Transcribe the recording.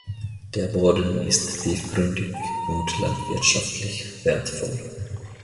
Der Boden ist tiefgründig und landwirtschaftlich wertvoll.